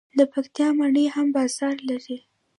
د پکتیا مڼې هم بازار لري.